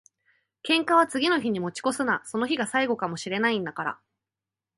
喧嘩は次の日に持ち越すな。その日が最後かも知れないんだから。